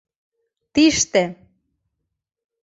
Тиште